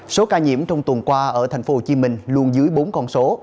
số ca nhiễm trong tuần qua ở tp hcm luôn dưới bốn con số